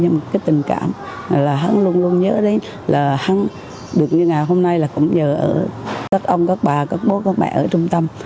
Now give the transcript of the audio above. nhưng mà cái tình cảm là em luôn luôn nhớ đến là em được như ngày hôm nay là cũng nhờ các ông các bà các bố các mẹ ở trung tâm